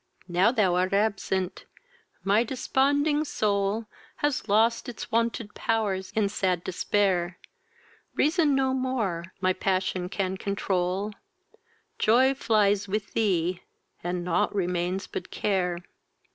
Now thou art absent, my desponding soul Has lost its wonted pow'rs in sad despair; Reason no more mu passion can controul; Joy flies with thee, and nought remains but care.